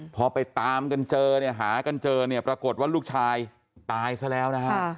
พอไปตามหากันเจอปรากฏว่าลูกชายตายซะแล้ว